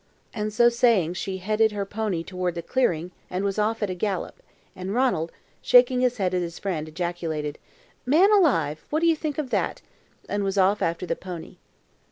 And so saying she headed her pony toward the clearing and was off at a gallop, and Ranald, shaking his head at his friend, ejaculated: "Man alive! what do you think of that?" and was off after the pony.